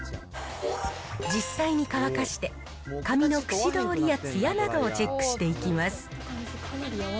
実際に乾かして、髪のくしどおりやツヤなどをチェックしていきます。